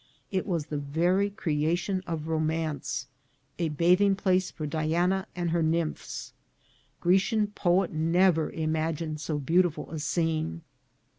It was the very creation of romance ; a bathing place for Diana and her nymphs. Grecian poet never imagined so beautiful a scene.